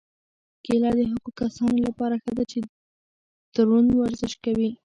کیله د هغو کسانو لپاره ښه ده چې دروند ورزش کوي.